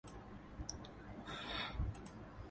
แต่ต้องพัฒนาเรื่องรายละเอียดของข้อมูล